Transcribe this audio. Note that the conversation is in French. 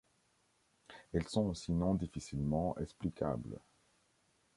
Elles sont sinon difficilement explicables.